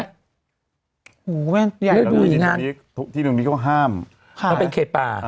ดูใหญ่น่ะที่ตรงนี้เขาห้ามเป็นเข็ดปลา